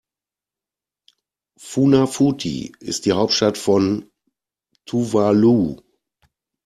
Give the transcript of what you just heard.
Funafuti ist die Hauptstadt von Tuvalu.